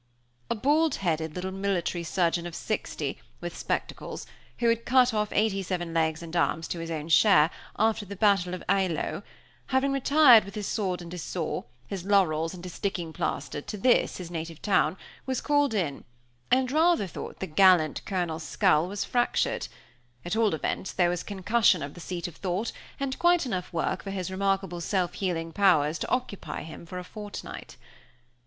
A bald headed little military surgeon of sixty, with spectacles, who had cut off eighty seven legs and arms to his own share, after the battle of Eylau, having retired with his sword and his saw, his laurels and his sticking plaster to this, his native town, was called in, and rather thought the gallant Colonel's skull was fractured; at all events, there was concussion of the seat of thought, and quite enough work for his remarkable self healing powers to occupy him for a fortnight.